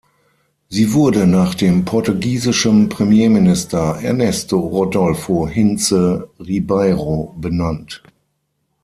Sie wurde nach dem portugiesischen Premierminister Ernesto Rodolfo Hintze Ribeiro benannt.